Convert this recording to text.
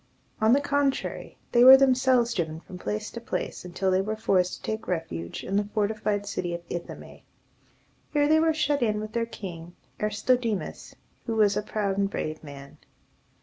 On the contrary, they were themselves driven from place to place, until they were forced to take refuge in the fortified city of I tho´me. Here they were shut in with their king, Aristodemus, who was a proud and brave man.